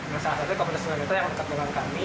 masyarakat komunitas tunang netra yang dekat dengan kami